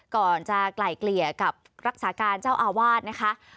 ก่อนจะไกล่เกลี่ยกับรักษาการเจ้าอาวาสนะคะ